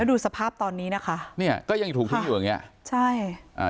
ดูสภาพตอนนี้นะคะเนี่ยก็ยังถูกทิ้งอยู่อย่างเงี้ยใช่อ่า